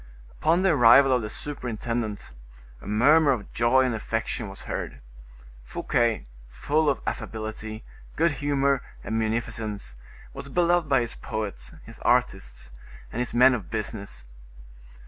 Upon the arrival of the superintendent, a murmur of joy and affection was heard; Fouquet, full of affability, good humor, and munificence, was beloved by his poets, his artists, and his men of business.